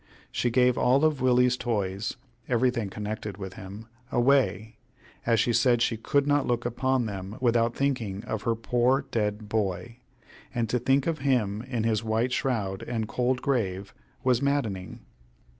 She gave all of Willie's toys everything connected with him away, as she said she could not look upon them without thinking of her poor dead boy, and to think of him, in his white shroud and cold grave, was maddening.